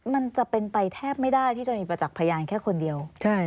มันจะเป็นไปแทบไม่ได้ที่จะมีประจักษ์พยานแค่คนเดียว